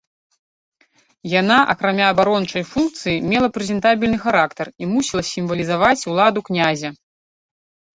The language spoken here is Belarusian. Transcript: Яна акрамя абарончай функцыі мела прэзентабельны характар і мусіла сімвалізаваць уладу князя.